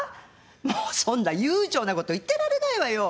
もうそんな悠長なこと言ってられないわよ。